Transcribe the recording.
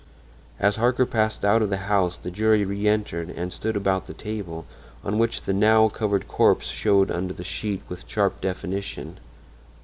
As Harker passed out of the house the jury reentered and stood about the table, on which the now covered corpse showed under the sheet with sharp definition.